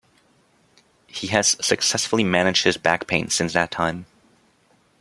He has successfully managed his back pain since that time.